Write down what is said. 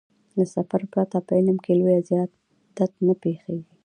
له سفر پرته په علم کې لويه زيادت نه پېښېږي.